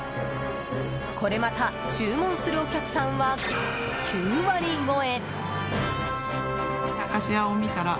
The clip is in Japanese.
これまた注文するお客さんは９割超え！